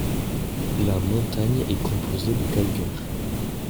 La montagne est composée de calcaire.